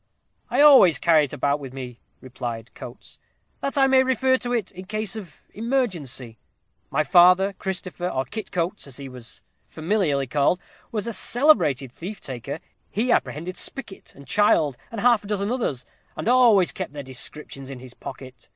"I always carry it about with me," replied Coates, "that I may refer to it in case of emergency. My father, Christopher, or Kit Coates, as he was familiarly called, was a celebrated thief taker. He apprehended Spicket, and Child, and half a dozen others, and always kept their descriptions in his pocket.